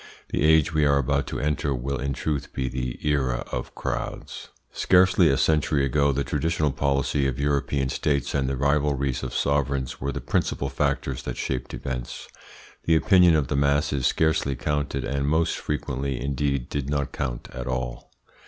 The age we are about to enter will in truth be the ERA OF CROWDS. Scarcely a century ago the traditional policy of European states and the rivalries of sovereigns were the principal factors that shaped events. The opinion of the masses scarcely counted, and most frequently indeed did not count at all.